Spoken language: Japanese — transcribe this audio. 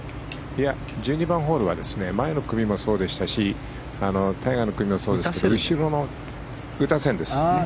いや、１２番ホールは前の組もそうでしたしタイガーの組もそうですけど打たせるんです。